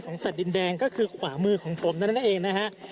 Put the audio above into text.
สัตว์ดินแดงก็คือขวามือของผมนั่นเองนะฮะ